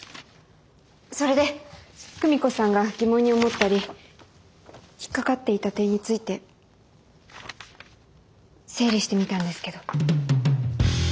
それで久美子さんが疑問に思ったり引っ掛かっていた点について整理してみたんですけど。